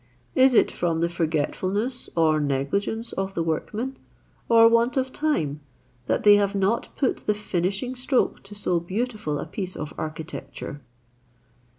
Is it from the forgetfulness or negligence of the workmen, or want of time, that they have not put the finishing stroke to so beautiful a piece of architecture?"